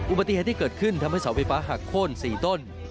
อุบัติเหตุที่เกิดขึ้นทำให้เสาไฟฟ้าหักโค้น๔ต้น